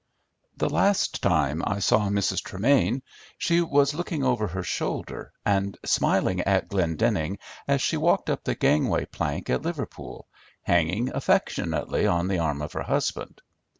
The last time I saw Mrs. Tremain she was looking over her shoulder and smiling at Glendenning as she walked up the gangway plank at Liverpool, hanging affectionately on the arm of her husband.